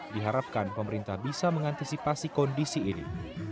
diharapkan pemerintah bisa mengantisipasi kondisi ini